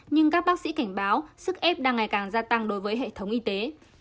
nhưng các bác sĩ cảnh báo sức ép đang ngày càng gia tăng đối với hệ thống y tế